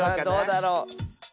どうだろう。